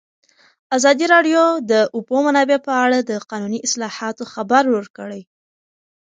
ازادي راډیو د د اوبو منابع په اړه د قانوني اصلاحاتو خبر ورکړی.